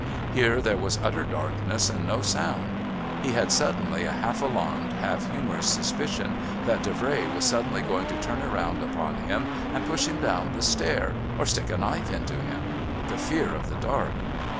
Here there was utter darkness and no sound. He had suddenly a half alarmed, half humorous suspicion that Davray was suddenly going to turn round upon him and push him down the stair or stick a knife into him the fear of the dark.